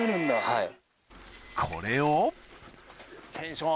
はい。